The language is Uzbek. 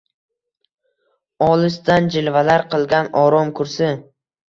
Olisdan jilvalar qilgan oromkursi